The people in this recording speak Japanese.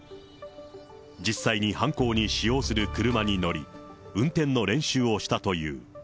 実際に犯行に使用する車に乗り、運転の練習をしたという。